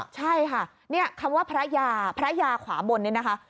ใช่ค่ะเนี่ยคำว่าพระยาพระยาขวาบนนี่นะคะ